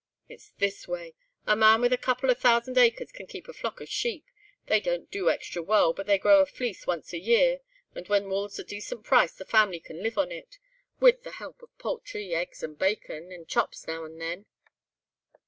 "It's this way; a man with a couple of thousand acres can keep a flock of sheep. They don't do extra well, but they grow a fleece once a year, and when wool's a decent price the family can live on it—with the help of poultry, eggs and bacon, and chops now and then.